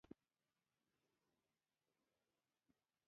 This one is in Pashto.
چارمغز د زړه حملې خطر کموي.